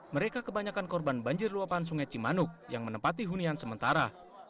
mereka kebanyakan korban banjir luapan sungai cimanuk yang menempati hunian sementara